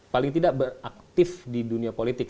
paling tidak beraktif di dunia politik